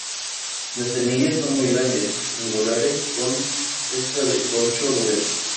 Las semillas son muy grandes, angulares, con testa de corcho grueso.